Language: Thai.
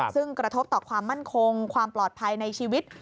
ซึ่งกระทบต่อความมั่นคงความปลอดภัยในชีวิต